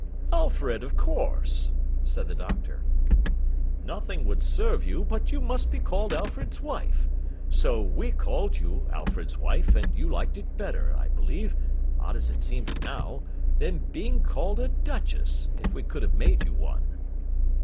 'Alfred, of course,' said the Doctor. 'Nothing would serve you but you must be called Alfred's wife; so we called you Alfred's wife; and you liked it better, I believe (odd as it seems now), than being called a Duchess, if we could have made you one.